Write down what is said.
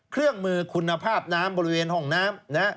เครื่องมือคุณภาพน้ำบริเวณห้องน้ำ